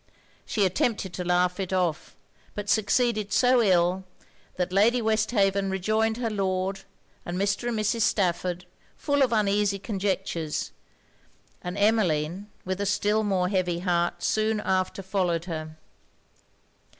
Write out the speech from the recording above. She attempted to laugh it off; but succeeded so ill, that Lady Westhaven rejoined her Lord and Mr. and Mrs. Stafford, full of uneasy conjectures; and Emmeline, with a still more heavy heart, soon after followed her.